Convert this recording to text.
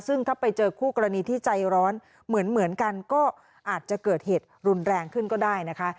ซึ่งถ้าไปเจอคู่กรณีที่ใจร้อนเหมือนกันก็อาจจะเกิดเหตุรุนแรงขึ้นก็ได้นะคะ